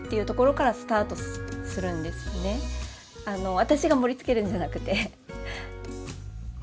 私が盛りつけるんじゃなくて。